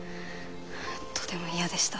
とても嫌でした。